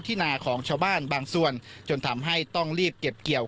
นาของชาวบ้านบางส่วนจนทำให้ต้องรีบเก็บเกี่ยว